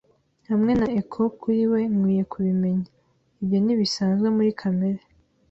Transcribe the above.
hamwe na echo kuri we, nkwiye kubimenya? Ibyo ntibisanzwe muri kamere? ”